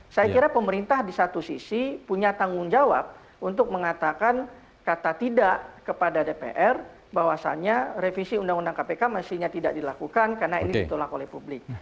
saya kira pemerintah di satu sisi punya tanggung jawab untuk mengatakan kata tidak kepada dpr bahwasannya revisi undang undang kpk mestinya tidak dilakukan karena ini ditolak oleh publik